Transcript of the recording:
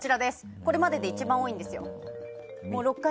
これまでで一番多いんですよ。